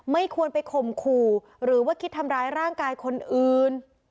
ไม่ควรไปข่มขู่หรือว่าคิดทำร้ายร่างกายคนอื่น